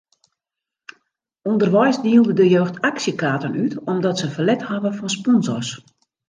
Underweis dielde de jeugd aksjekaarten út omdat se ferlet hawwe fan sponsors.